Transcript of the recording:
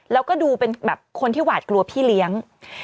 แล้วก็ดูเป็นแบบคนที่หวาดกลัวพี่เลี้ยง